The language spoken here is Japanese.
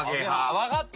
わかった！